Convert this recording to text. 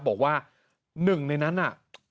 บอกว่าหนึ่งในนั้นน่ะ